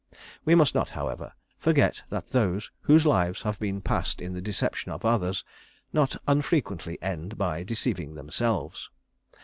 We must not, however, forget that those whose lives have been passed in the deception of others, not unfrequently end by deceiving themselves.